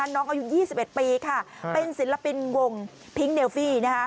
น้องอายุ๒๑ปีค่ะเป็นศิลปินวงพิงเนลฟี่